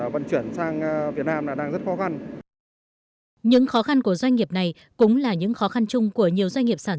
việt nam những khó khăn của doanh nghiệp này cũng là những khó khăn chung của nhiều doanh nghiệp sản